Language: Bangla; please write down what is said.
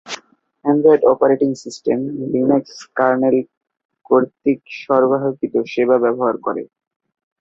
Android operating system Linux kernel কর্তৃক সরবরাহকৃত সেবা ব্যবহার করে।